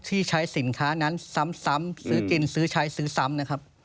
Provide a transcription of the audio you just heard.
ที่ใช้สินค้านั้นซ้ำซื้อกินซื้อใช้ซื้อซ้ำนะครับ